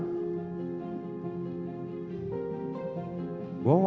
ini baru bulan november desember belum lewat